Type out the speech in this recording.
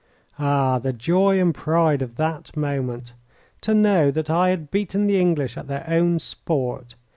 Ah, the joy and pride of that moment! To know that I had beaten the English at their own sport.